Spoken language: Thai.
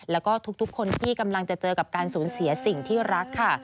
แล้วก็ทุกคนที่กำลังจะเจอกับการสูญเสียสิ่งที่รักค่ะ